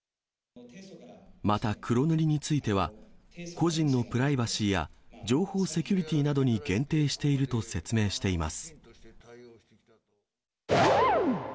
また、黒塗りについては、個人のプライバシーや情報セキュリティーなどに限定していると説明しています。